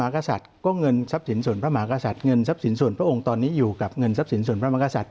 กษัตริย์ก็เงินทรัพย์สินส่วนพระมหากษัตริย์เงินทรัพย์สินส่วนพระองค์ตอนนี้อยู่กับเงินทรัพย์สินส่วนพระมกษัตริย